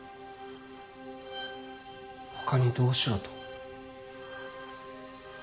他にどうしろと？